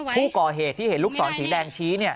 ผู้ก่อเหตุที่เห็นลูกศรสีแดงชี้